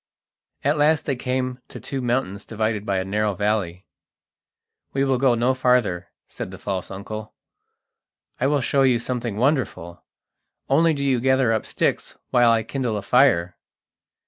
At last they came to two mountains divided by a narrow valley. "We will go no farther," said the false uncle. "I will show you something wonderful; only do you gather up sticks while I kindle a fire."